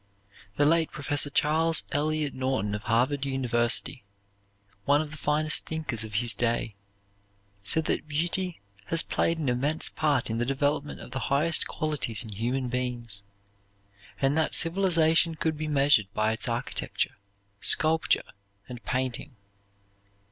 The late Professor Charles Eliot Norton of Harvard University, one of the finest thinkers of his day, said that beauty has played an immense part in the development of the highest qualities in human beings; and that civilization could be measured by its architecture, sculpture, and painting.